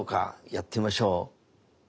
やってみましょう。